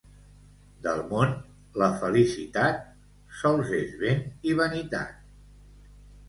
Del món, la felicitat, sols és vent i vanitat.